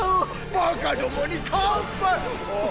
バカどもに乾杯あっ。